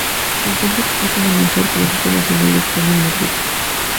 Se encuentra expuesta en el Museo Arqueológico Nacional de España, en Madrid.